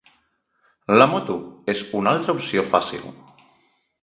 La moto és una altra opció fàcil.